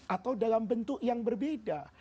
atau dalam bentuk yang berbeda